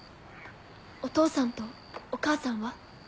お父さんとお母さんは？